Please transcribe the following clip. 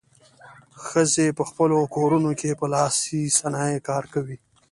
ښځې په خپلو کورونو کې په لاسي صنایعو کار کوي.